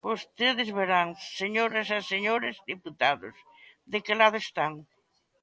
Vostedes verán, señoras e señores deputados, de que lado están.